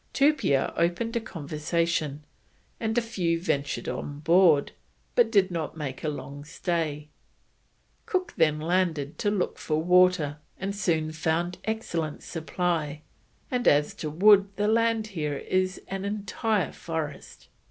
Tupia opened a conversation, and a few ventured on board, but did not make a long stay. Cook then landed to look for water, and soon found an excellent supply, and "as to wood the land is here an entire forest."